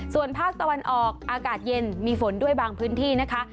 ส่วนภาคตะวันออกอากาศเย็นมีฝนด้วยบางพื้นที่นะคะ